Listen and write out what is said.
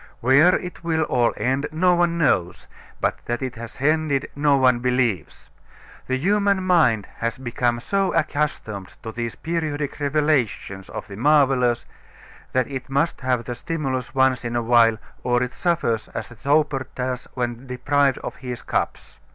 Where it will all end no one knows, but that it has ended no one believes. The human mind has become so accustomed to these periodic revelations of the marvelous that it must have the stimulus once in a while or it suffers as the toper does when deprived of his cups.